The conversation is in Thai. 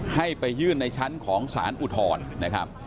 ให้ไปยื่นในชั้นของสารอุทธรณ์นะครับ